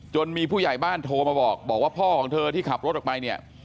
มีผู้ใหญ่บ้านโทรมาบอกบอกว่าพ่อของเธอที่ขับรถออกไปเนี่ย